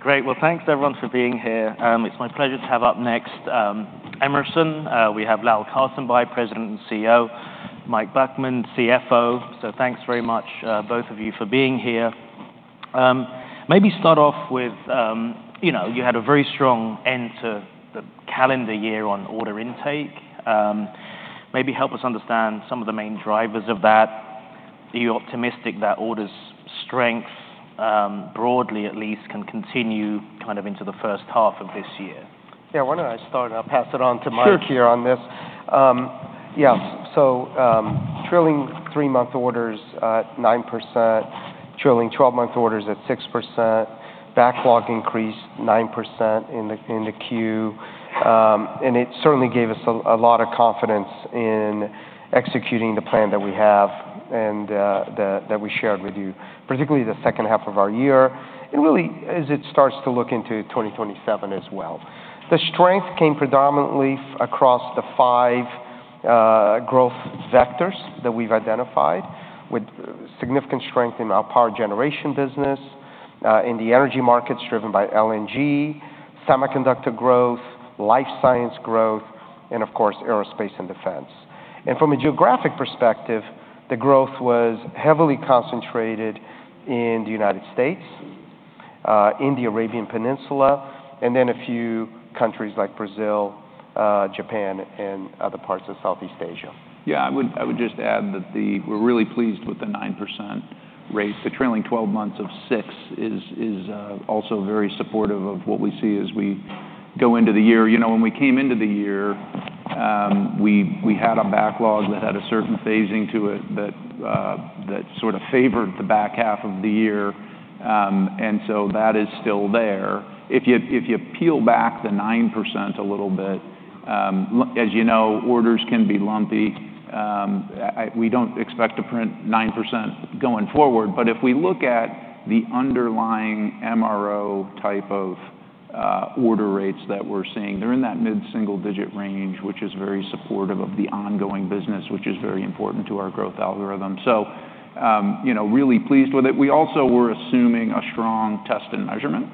Great. Well, thanks everyone for being here. It's my pleasure to have up next Emerson. We have Lal Karsanbhai, President and CEO, Mike Baughman, CFO. So thanks very much both of you for being here. Maybe start off with, you know, you had a very strong end to the calendar year on order intake. Maybe help us understand some of the main drivers of that. Are you optimistic that orders strength, broadly at least, can continue kind of into the first half of this year? Yeah, why don't I start, and I'll pass it on to Mike. Sure Here on this? Yeah, so, trailing three-month orders at 9%, trailing 12-month orders at 6%, backlog increased 9% in the Q. And it certainly gave us a lot of confidence in executing the plan that we have and that we shared with you, particularly the second half of our year, and really, as it starts to look into 2027 as well. The strength came predominantly across the five growth vectors that we've identified, with significant strength in our power generation business in the energy markets, driven by LNG, semiconductor growth, life science growth, and of course, aerospace and defense. And from a geographic perspective, the growth was heavily concentrated in the United States, in the Arabian Peninsula, and then a few countries like Brazil, Japan, and other parts of Southeast Asia. Yeah, I would, I would just add that the, we're really pleased with the 9% rate. The trailing twelve months of 6% is also very supportive of what we see as we go into the year. You know, when we came into the year, we had a backlog that had a certain phasing to it that sort of favored the back half of the year. And so that is still there. If you, if you peel back the 9% a little bit, as you know, orders can be lumpy. We don't expect to print 9% going forward, but if we look at the underlying MRO type of order rates that we're seeing, they're in that mid-single-digit range, which is very supportive of the ongoing business, which is very important to our growth algorithm. So, you know, really pleased with it. We also were assuming a strong Test & Measurement,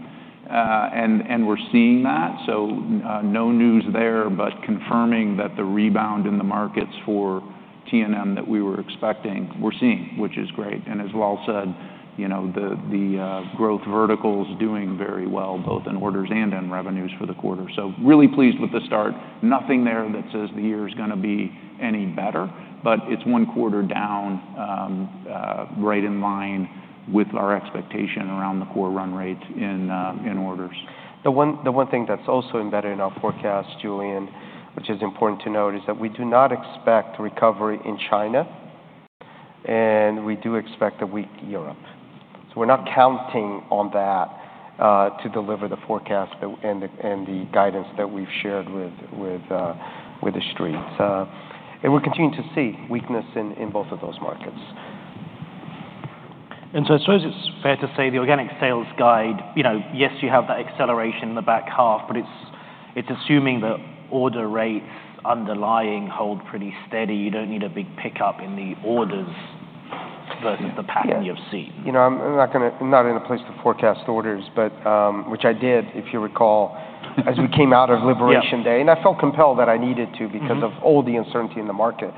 and we're seeing that. So, no news there, but confirming that the rebound in the markets for T&M that we were expecting, we're seeing, which is great. And as Lal said, you know, the growth vertical's doing very well, both in orders and in revenues for the quarter. So really pleased with the start. Nothing there that says the year is gonna be any better, but it's one quarter down, right in line with our expectation around the core run rates in orders. The one, the one thing that's also embedded in our forecast, Julian, which is important to note, is that we do not expect recovery in China, and we do expect a weak Europe. So we're not counting on that to deliver the forecast and the guidance that we've shared with The Street. And we're continuing to see weakness in both of those markets. So I suppose it's fair to say the organic sales guide, you know, yes, you have that acceleration in the back half, but it's assuming the order rates underlying hold pretty steady. You don't need a big pickup in the orders versus the pattern you've seen. Yeah. You know, I'm not in a place to forecast orders, but which I did, if you recall, as we came out of Liberation Day. Yeah. I felt compelled that I needed to because of all the uncertainty in the market.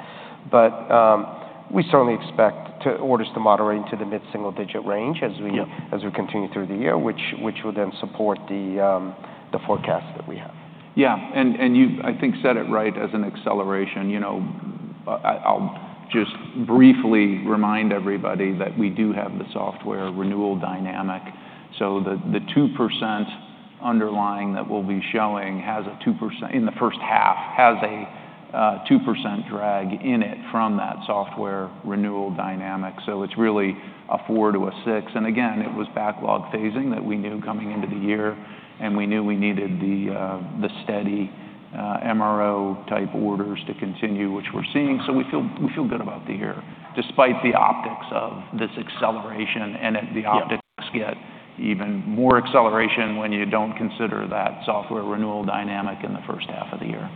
But, we certainly expect orders to moderate into the mid-single-digit range as we. Yeah As we continue through the year, which will then support the forecast that we have. Yeah, and you, I think, said it right as an acceleration. You know, I'll just briefly remind everybody that we do have the software renewal dynamic. So the 2% underlying that we'll be showing has a 2%—in the first half, has a 2% drag in it from that software renewal dynamic. So it's really a 4%-6%. And again, it was backlog phasing that we knew coming into the year, and we knew we needed the steady MRO-type orders to continue, which we're seeing. So we feel good about the year, despite the optics of this acceleration, and the optics. Yeah Get even more acceleration when you don't consider that software renewal dynamic in the first half of the year.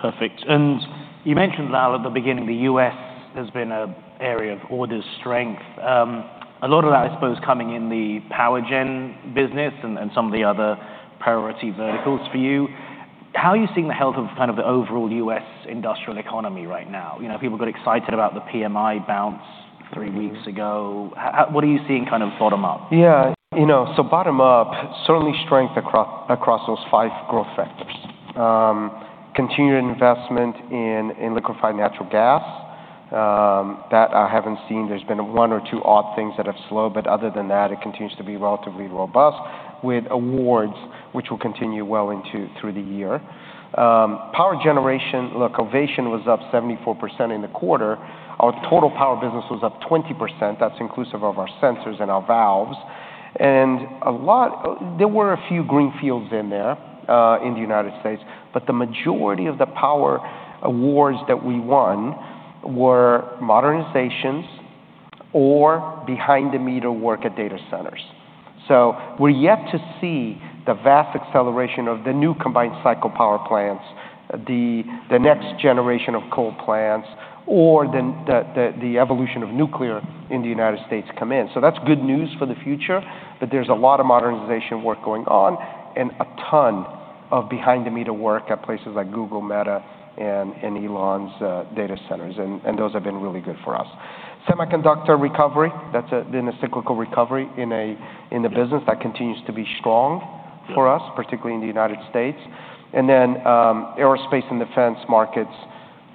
Perfect. And you mentioned, Lal, at the beginning, the U.S. has been an area of order strength. A lot of that, I suppose, coming in the power gen business and some of the other priority verticals for you. How are you seeing the health of kind of the overall U.S. industrial economy right now? You know, people got excited about the PMI bounce three weeks ago. How? What are you seeing kind of bottom up? Yeah, you know, so bottom up, certainly strength across, across those five growth vectors. Continued investment in, in liquefied natural gas, that I haven't seen. There's been one or two odd things that have slowed, but other than that, it continues to be relatively robust, with awards which will continue well into through the year. Power generation, look, Ovation was up 74% in the quarter. Our total power business was up 20%. That's inclusive of our sensors and our valves. And a lot, there were a few greenfields in there, in the United States, but the majority of the power awards that we won were modernizations or behind-the-meter work at data centers. So we're yet to see the vast acceleration of the new combined cycle power plants, the next generation of coal plants, or the evolution of nuclear in the United States come in. So that's good news for the future, but there's a lot of modernization work going on and a ton of behind-the-meter work at places like Google, Meta, and Elon's data centers, and those have been really good for us. Semiconductor recovery, that's been a cyclical recovery in the business. That continues to be strong for us, particularly in the United States. And then, aerospace and defense markets,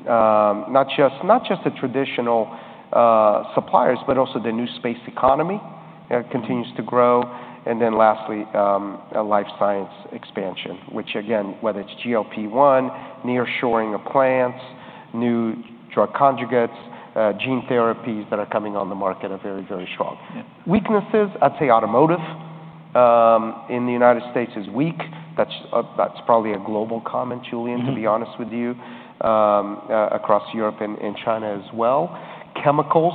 not just, not just the traditional, suppliers, but also the New Space economy, continues to grow. And then lastly, a life science expansion, which again, whether it's GLP-1, nearshoring of plants, new drug conjugates, gene therapies that are coming on the market are very, very strong. Yeah. Weaknesses, I'd say automotive in the United States is weak. That's probably a global comment, Julian to be honest with you, across Europe and China as well. Chemicals,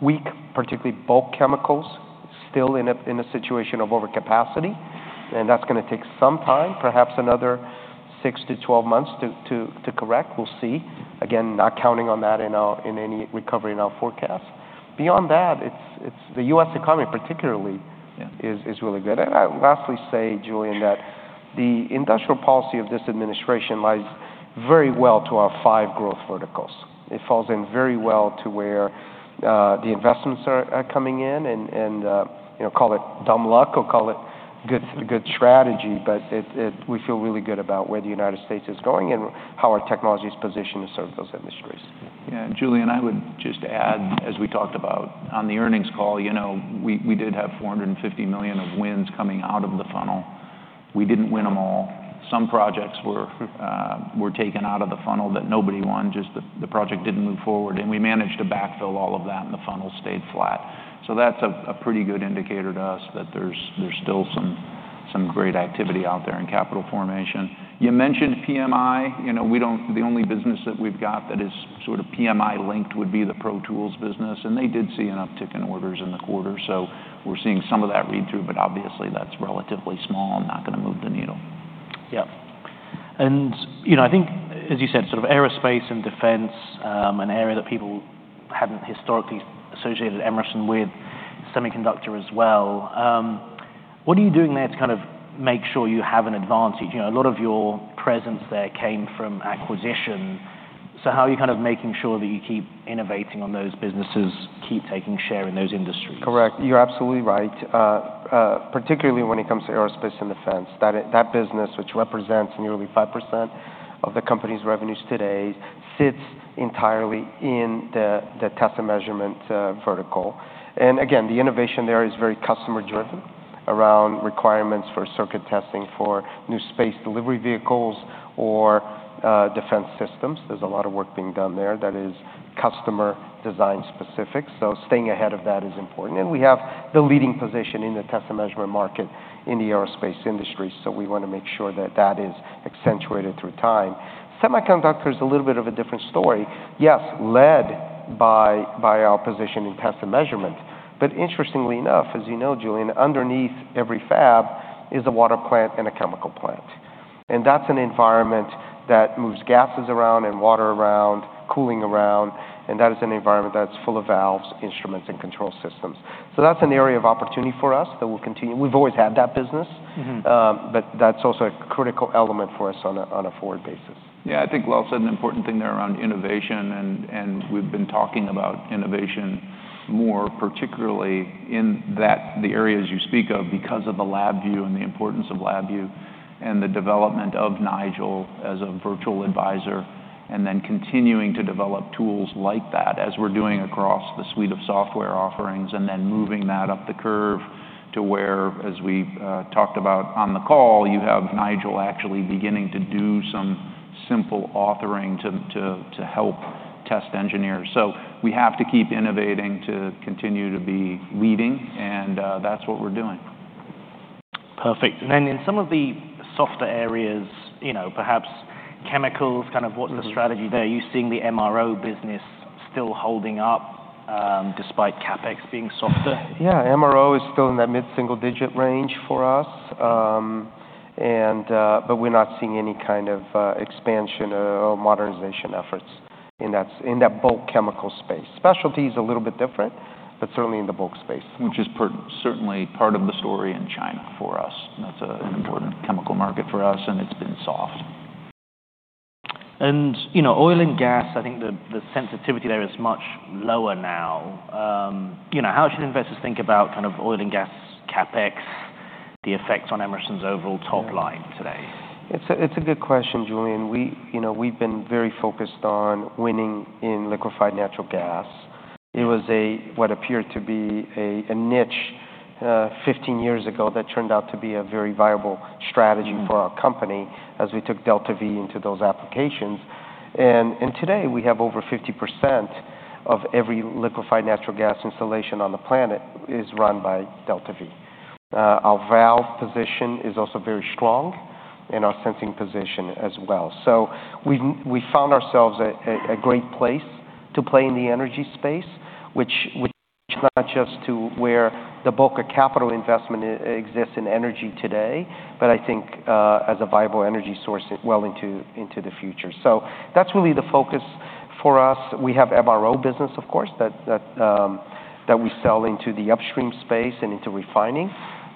weak, particularly bulk chemicals, still in a situation of overcapacity, and that's going to take some time, perhaps another 6-12 months to correct. We'll see. Again, not counting on that in our- in any recovery in our forecast. Beyond that, it's the U.S. economy particularly. Yeah Is, is really good. And I would lastly say, Julian, that the industrial policy of this administration aligns very well to our five growth verticals. It falls in very well to where, the investments are, are coming in, and, you know, call it dumb luck or call it good, good strategy, but it, it, we feel really good about where the United States is going and how our technology is positioned to serve those industries. Yeah. Julian, I would just add, as we talked about on the earnings call, you know, we did have $450 million of wins coming out of the funnel. We didn't win them all. Some projects were taken out of the funnel that nobody won, just the project didn't move forward, and we managed to backfill all of that, and the funnel stayed flat. So that's a pretty good indicator to us that there's still some great activity out there in capital formation. You mentioned PMI. You know, we don't, the only business that we've got that is sort of PMI-linked would be the Pro Tools business, and they did see an uptick in orders in the quarter. So we're seeing some of that read-through, but obviously, that's relatively small and not going to move the needle. Yeah. And, you know, I think as you said, sort of aerospace and defense, an area that people hadn't historically associated Emerson with, semiconductor as well. What are you doing there to kind of make sure you have an advantage? You know, a lot of your presence there came from acquisition. So how are you kind of making sure that you keep innovating on those businesses, keep taking share in those industries? Correct. You're absolutely right, particularly when it comes to aerospace and defense. That business, which represents nearly 5% of the company's revenues today, sits entirely in the Test & Measurement vertical. And again, the innovation there is very customer-driven around requirements for circuit testing, for New Space delivery vehicles or defense systems. There's a lot of work being done there that is customer design specific, so staying ahead of that is important. And we have the leading position in the Test & Measurement market in the aerospace industry, so we want to make sure that that is accentuated through time. Semiconductor is a little bit of a different story. Yes, led by our position in Test & Measurement, but interestingly enough, as you know, Julian, underneath every fab is a water plant and a chemical plant, and that's an environment that moves gases around and water around, cooling around, and that is an environment that's full of valves, instruments, and control systems. So that's an area of opportunity for us that we'll continue. We've always had that business but that's also a critical element for us on a forward basis. Yeah, I think Lal said an important thing there around innovation, and, and we've been talking about innovation more particularly in that, the areas you speak of, because of the LabVIEW and the importance of LabVIEW, and the development of Nigel as a Virtual Advisor, and then continuing to develop tools like that, as we're doing across the suite of software offerings, and then moving that up the curve to where, as we've talked about on the call, you have Nigel actually beginning to do some simple authoring to, to, to help test engineers. So we have to keep innovating to continue to be leading, and that's what we're doing. Perfect. And then in some of the softer areas, you know, perhaps chemicals, kind of what's the strategy there? Are you seeing the MRO business still holding up, despite CapEx being softer? Yeah. MRO is still in that mid-single-digit range for us. But we're not seeing any kind of expansion or modernization efforts in that bulk chemical space. Specialty is a little bit different, but certainly in the bulk space. Which is certainly part of the story in China for us. That's an important chemical market for us, and it's been soft. You know, oil and gas, I think the sensitivity there is much lower now. You know, how should investors think about kind of oil and gas CapEx, the effects on Emerson's overall top line today? It's a good question, Julian. You know, we've been very focused on winning in liquefied natural gas. It was what appeared to be a niche 15 years ago that turned out to be a very viable strategy for our company as we took DeltaV into those applications. And today, we have over 50% of every liquefied natural gas installation on the planet is run by DeltaV. Our valve position is also very strong and our sensing position as well. So we found ourselves a great place to play in the energy space, which is not just to where the bulk of capital investment exists in energy today, but I think, as a viable energy source well into the future. So that's really the focus. For us, we have MRO business, of course, that we sell into the upstream space and into refining.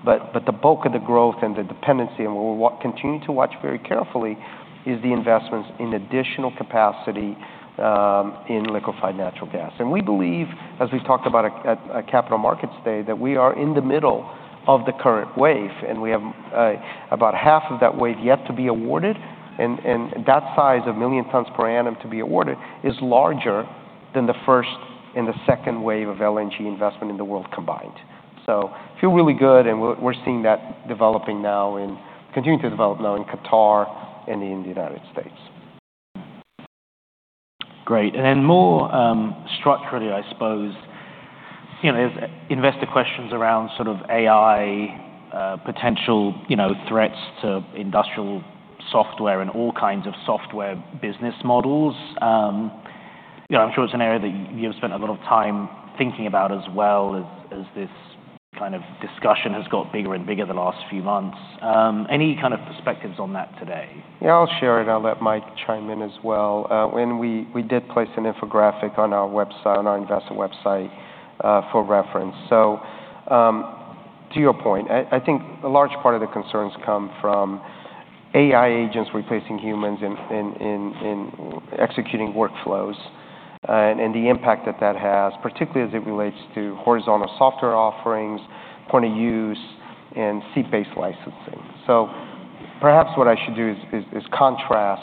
But the bulk of the growth and the dependency, and what we'll continue to watch very carefully, is the investments in additional capacity in liquefied natural gas. We believe, as we've talked about at Capital Markets Day, that we are in the middle of the current wave, and we have about half of that wave yet to be awarded. And that size of million tons per annum to be awarded is larger than the first and the second wave of LNG investment in the world combined. So feel really good, and we're seeing that developing now and continuing to develop now in Qatar and in the United States. Great. And then more, structurally, I suppose, you know, there's investor questions around sort of AI, potential, you know, threats to industrial software and all kinds of software business models. You know, I'm sure it's an area that you've spent a lot of time thinking about as well, as this kind of discussion has got bigger and bigger the last few months. Any kind of perspectives on that today? Yeah, I'll share it, and I'll let Mike chime in as well. And we did place an infographic on our website, on our investor website, for reference. So, to your point, I think a large part of the concerns come from AI agents replacing humans in executing workflows, and the impact that that has, particularly as it relates to horizontal software offerings, point of use, and seat-based licensing. So perhaps what I should do is contrast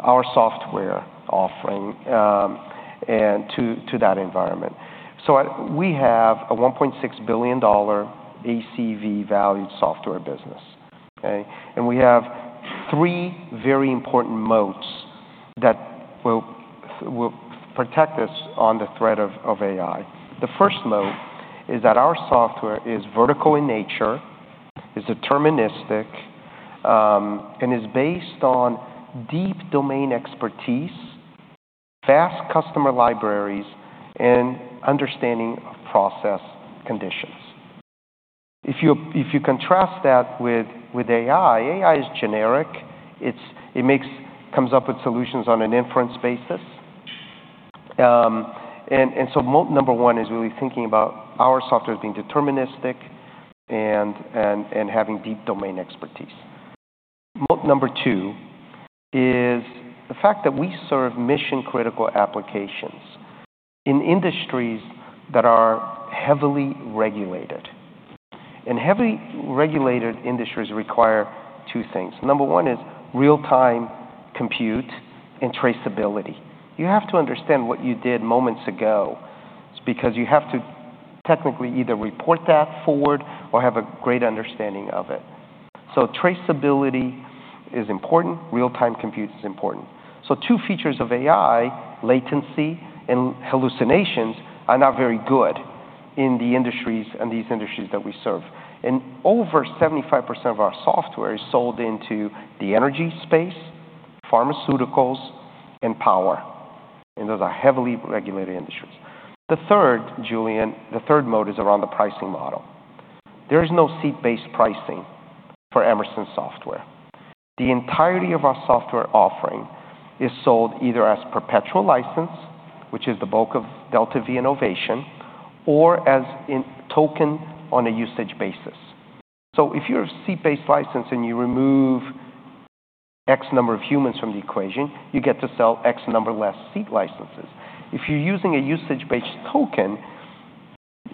our software offering, and to that environment. So, we have a $1.6 billion ACV valued software business, okay? And we have three very important moats that will protect us on the threat of AI. The first moat is that our software is vertical in nature, is deterministic, and is based on deep domain expertise, vast customer libraries, and understanding of process conditions. If you, if you contrast that with, with AI, AI is generic. It comes up with solutions on an inference basis. And, and so moat number one is really thinking about our software as being deterministic and, and, and having deep domain expertise. Moat number two is the fact that we serve mission-critical applications in industries that are heavily regulated, and heavily regulated industries require two things. Number one is real-time compute and traceability. You have to understand what you did moments ago because you have to technically either report that forward or have a great understanding of it. So traceability is important. Real-time compute is important. So two features of AI, latency and hallucinations, are not very good in the industries and these industries that we serve. And over 75% of our software is sold into the energy space, pharmaceuticals, and power, and those are heavily regulated industries. The third, Julian, the third moat is around the pricing model. There is no seat-based pricing for Emerson software. The entirety of our software offering is sold either as perpetual license, which is the bulk of DeltaV and Ovation, or as in token on a usage basis. So if you're a seat-based license and you remove X number of humans from the equation, you get to sell X number less seat licenses. If you're using a usage-based token,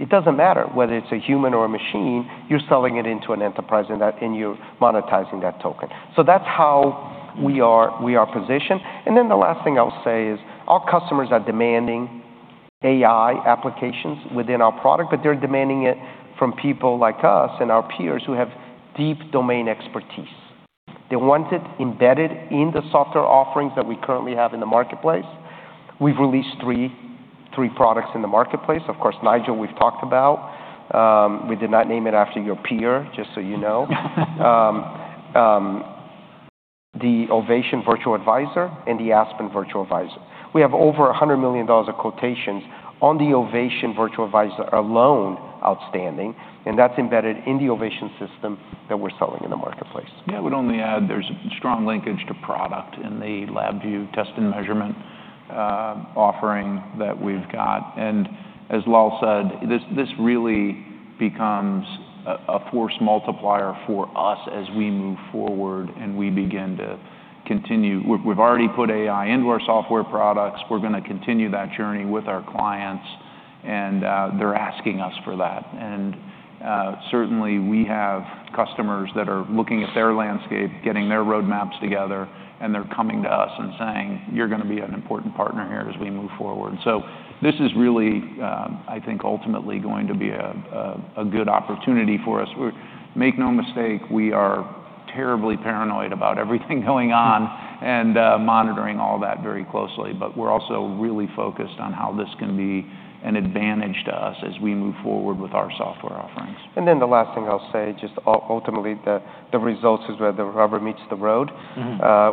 it doesn't matter whether it's a human or a machine, you're selling it into an enterprise, and you're monetizing that token. So that's how we are, we are positioned. Then the last thing I'll say is our customers are demanding AI applications within our product, but they're demanding it from people like us and our peers who have deep domain expertise. They want it embedded in the software offerings that we currently have in the marketplace. We've released three, three products in the marketplace. Of course, Nigel, we've talked about. We did not name it after your peer, just so you know. The Ovation Virtual Advisor and the Aspen Virtual Advisor. We have over $100 million of quotations on the Ovation Virtual Advisor alone, outstanding, and that's embedded in the Ovation system that we're selling in the marketplace. Yeah, I would only add there's a strong linkage to product in the LabVIEW Test & Measurement offering that we've got. And as Lal said, this really becomes a force multiplier for us as we move forward and we begin to continue. We've already put AI into our software products. We're going to continue that journey with our clients, and they're asking us for that. And certainly, we have customers that are looking at their landscape, getting their roadmaps together, and they're coming to us and saying, "You're going to be an important partner here as we move forward." So this is really, I think, ultimately going to be a good opportunity for us. Make no mistake, we are terribly paranoid about everything going on and monitoring all that very closely, but we're also really focused on how this can be an advantage to us as we move forward with our software offerings. And then the last thing I'll say, just ultimately, the results is where the rubber meets the road.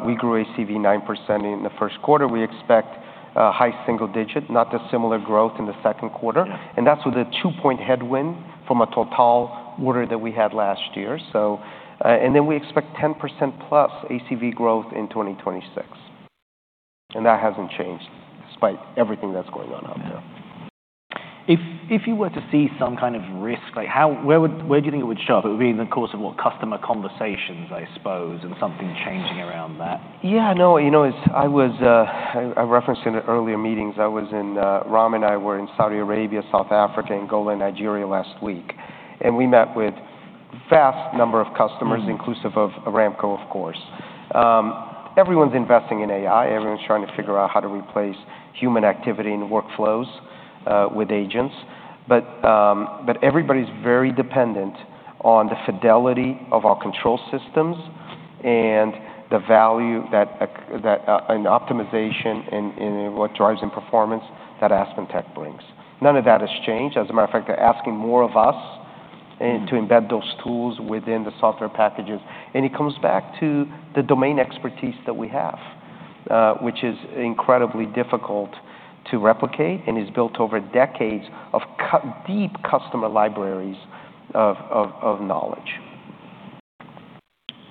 We grew ACV 9% in the first quarter. We expect a high single digit, not a similar growth in the second quarter. Yeah. And that's with a 2-point headwind from a total order that we had last year. So, and then we expect 10%+ ACV growth in 2026, and that hasn't changed despite everything that's going on out there. If you were to see some kind of risk, like how, where would, where do you think it would show up? It would be in the course of what customer conversations, I suppose, and something changing around that? Yeah, no, you know, it's I referenced in the earlier meetings. Ram and I were in Saudi Arabia, South Africa, Angola, and Nigeria last week, and we met with vast number of customers inclusive of Aramco, of course. Everyone's investing in AI. Everyone's trying to figure out how to replace human activity in the workflows with agents. But everybody's very dependent on the fidelity of our control systems and the value that an optimization and what drives the performance that AspenTech brings. None of that has changed. As a matter of fact, they're asking more of us and to embed those tools within the software packages. It comes back to the domain expertise that we have, which is incredibly difficult to replicate, and is built over decades of deep customer libraries of knowledge.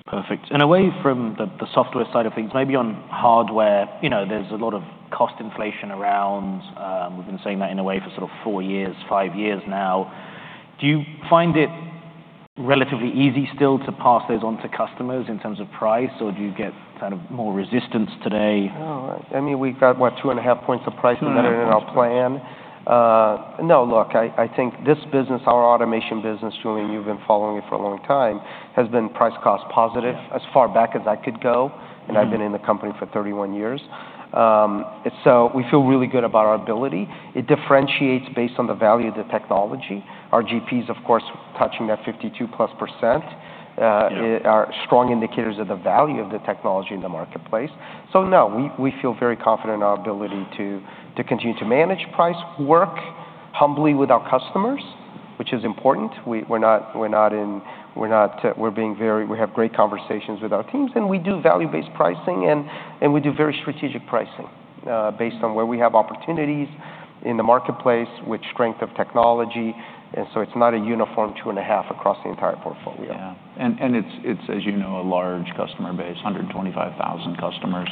Perfect. Away from the software side of things, maybe on hardware, you know, there's a lot of cost inflation around. We've been saying that in a way for sort of four years, five years now. Do you find it relatively easy still to pass those on to customers in terms of price, or do you get kind of more resistance today? Oh, I mean, we've got, what? 2.5 points of pricing. 2.5 points. In our plan. No, look, I, I think this business, our automation business, Julian, you've been following it for a long time, has been price cost positive as far back as I could go, and I've been in the company for 31 years. And so we feel really good about our ability. It differentiates based on the value of the technology. Our GP is, of course, touching that 52%+ are strong indicators of the value of the technology in the marketplace. So no, we feel very confident in our ability to continue to manage price, work humbly with our customers, which is important. We have great conversations with our teams, and we do value-based pricing, and we do very strategic pricing based on where we have opportunities in the marketplace, which strength of technology, and so it's not a uniform 2.5 across the entire portfolio. Yeah. And it's, as you know, a large customer base, 125,000 customers.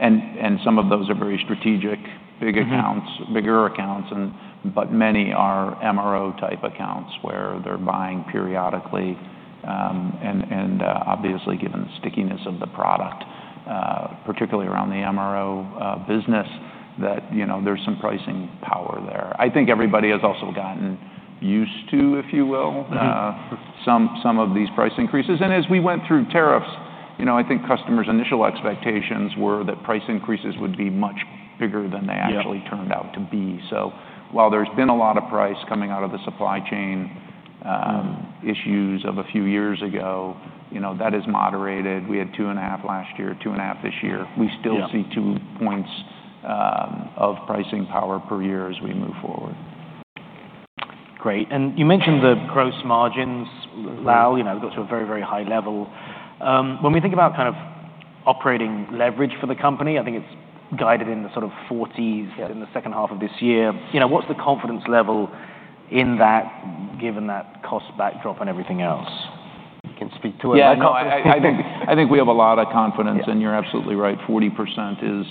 And some of those are very strategic, big accounts bigger accounts, and but many are MRO-type accounts, where they're buying periodically. Obviously, given the stickiness of the product, particularly around the MRO business, that, you know, there's some pricing power there. I think everybody has also gotten used to, if you will, some of these price increases. And as we went through tariffs, you know, I think customers' initial expectations were that price increases would be much bigger than they actually. Yeah Turned out to be. So while there's been a lot of price coming out of the supply chain issues of a few years ago, you know, that has moderated. We had 2.5 last year, 2.5 this year. Yeah. We still see 2 points of pricing power per year as we move forward. Great. And you mentioned the gross margins. Well, you know, got to a very, very high level. When we think about kind of operating leverage for the company, I think it's guided in the sort of 40s in the second half of this year. You know, what's the confidence level in that, given that cost backdrop and everything else? You can speak to it. Yeah, no, I think we have a lot of confidence. Yeah And you're absolutely right. 40% is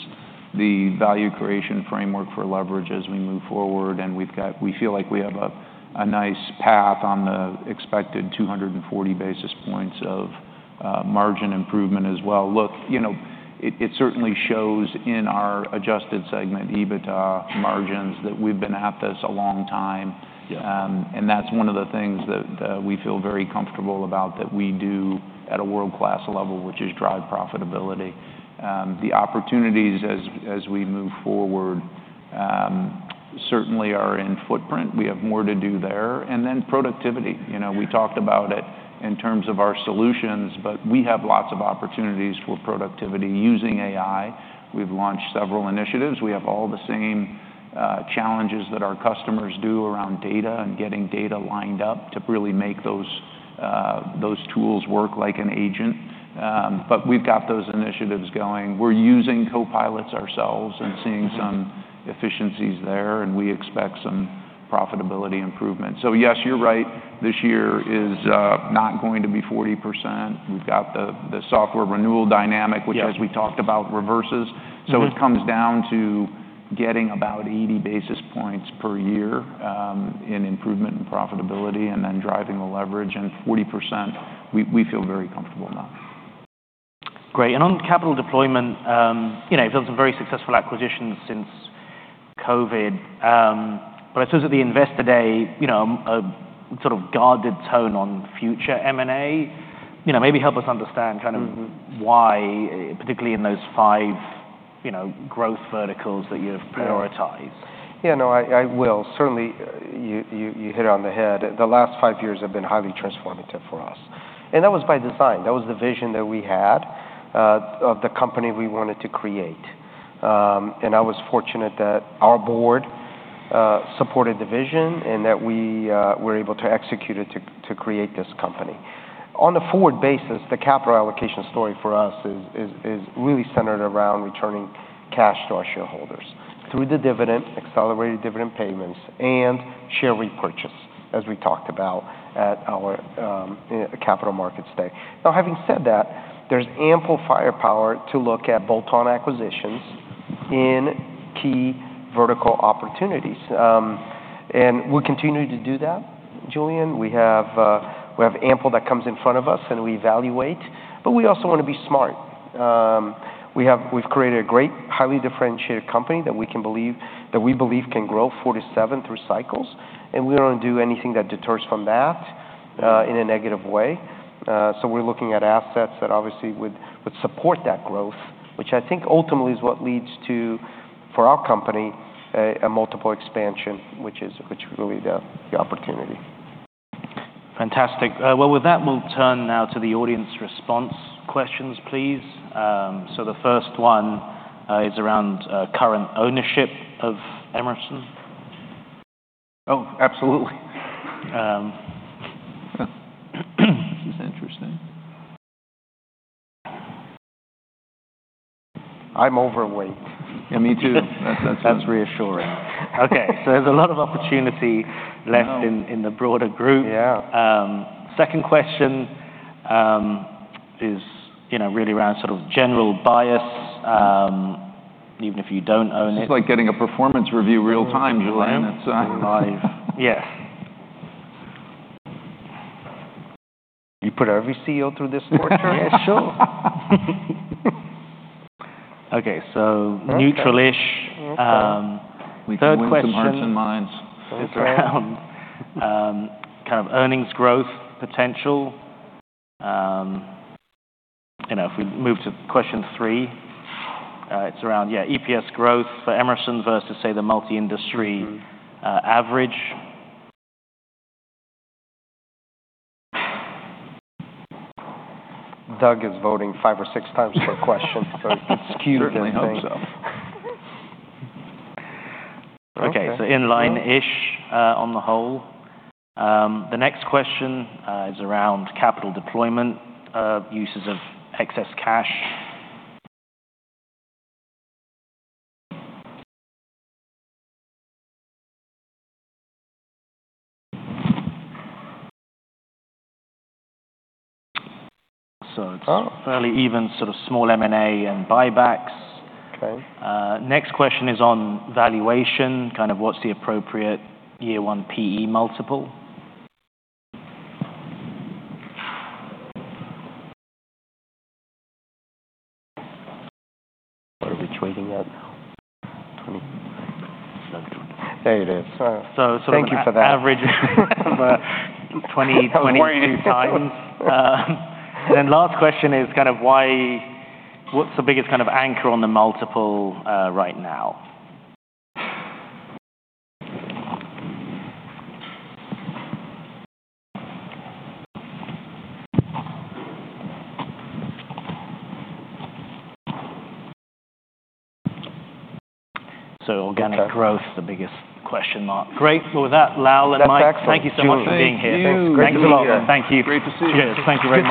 the value creation framework for leverage as we move forward, and we've got, we feel like we have a nice path on the expected 240 basis points of margin improvement as well. Look, you know, it certainly shows in our adjusted segment EBITDA margins that we've been at this a long time. Yeah. And that's one of the things that we feel very comfortable about, that we do at a world-class level, which is drive profitability. The opportunities as we move forward certainly are in footprint. We have more to do there. And then productivity, you know we talked about it in terms of our solutions, but we have lots of opportunities for productivity using AI. We've launched several initiatives. We have all the same challenges that our customers do around data and getting data lined up to really make those tools work like an agent. But we've got those initiatives going. We're using Copilots ourselves and seeing some efficiencies there, and we expect some profitability improvement. So yes, you're right, this year is not going to be 40%. We've got the software renewal dynamic. Yeah Which, as we talked about, reverses. So it comes down to getting about 80 basis points per year in improvement in profitability, and then driving the leverage. And 40%, we feel very comfortable in that. Great. And on capital deployment, you know, you've done some very successful acquisitions since COVID. But I suppose at the Investor Day, you know, a sort of guarded tone on future M&A. You know, maybe help us understand kind of why, particularly in those five, you know, growth verticals that you've prioritized. Yeah. Yeah, no, I will. Certainly, you hit it on the head. The last five years have been highly transformative for us, and that was by design. That was the vision that we had of the company we wanted to create. And I was fortunate that our board supported the vision and that we were able to execute it to create this company. On a forward basis, the capital allocation story for us is really centered around returning cash to our shareholders through the dividend, accelerated dividend payments, and share repurchase as we talked about at our Capital Markets Day. Now, having said that, there's ample firepower to look at bolt-on acquisitions in key vertical opportunities. And we're continuing to do that, Julian. We have ample that comes in front of us, and we evaluate, but we also want to be smart. We've created a great, highly differentiated company that we believe can grow 4-7 through cycles, and we don't want to do anything that deters from that in a negative way. So we're looking at assets that obviously would support that growth, which I think ultimately is what leads to, for our company, a multiple expansion, which is really the opportunity. Fantastic. Well, with that, we'll turn now to the audience response questions, please. So the first one is around current ownership of Emerson. Oh, absolutely. This is interesting. I'm overweight. Yeah, me too. That's reassuring. Okay, so there's a lot of opportunity left. I know In the broader group. Yeah. Second question, is, you know, really around sort of general bias, even if you don't own it. It's like getting a performance review real-time, Julian. It's. Live. Yeah. You put every CEO through this torture? Yeah, sure. Okay, so neutral-ish. Okay. Third question. We can win some hearts and minds. Okay. Is around, kind of earnings growth potential. You know, if we move to question three, it's around, yeah, EPS growth for Emerson versus, say, the multi-industry average. Doug is voting five or six times per question, so he's skewed, I think. Certainly hope so. Okay, so in line-ish, on the whole. The next question is around capital deployment, uses of excess cash. So it's fairly even sort of small M&A and buybacks. Okay. Next question is on valuation, kind of what's the appropriate year-one P/E multiple? What are we trading at now? 20. There it is. So. Thank you for that. Average 22x. And then last question is kind of why—what's the biggest kind of anchor on the multiple right now? So organic growth, the biggest question mark. Great. So with that, Lal and Mike. That's excellent Thank you so much for being here. Thank you. Thanks. Great to be here. Thank you. Great to see you. Thank you very much.